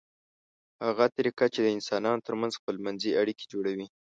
هغه طریقه چې د انسانانو ترمنځ خپلمنځي اړیکې جوړوي